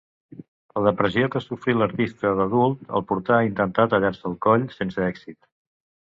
La depressió que sofrí l'artista d'adult el portà a intentar tallar-se el coll, sense èxit.